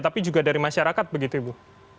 tapi juga dari masyarakat begitu ibu